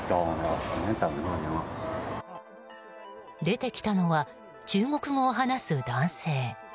出てきたのは中国語を話す男性。